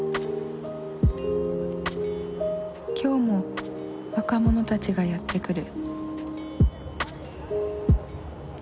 今日も若者たちがやって来る。